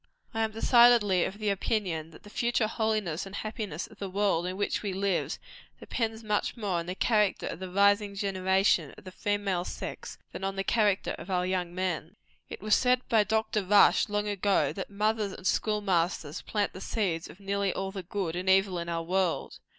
I am decidedly of opinion, that the future holiness and happiness of the world in which we live, depend much more on the character of the rising generation of the female sex, than on the character of our young men. It was said by Dr. Rush, long ago, that mothers and school masters plant the seeds of nearly all the good and evil in our world.